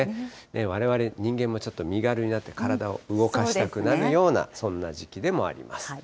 われわれ人間もちょっと身軽になって、体を動かしたくなるような、そんな時期でもあります。